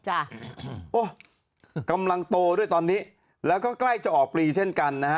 โอ้กำลังโตด้วยตอนนี้แล้วก็ใกล้จะออกปลีเช่นกันนะฮะ